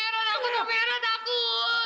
rada kutuk merah takut